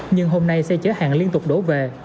nhưng hôm nay xe chở hàng liên tục đổ về